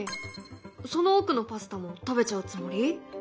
その奥のパスタも食べちゃうつもり？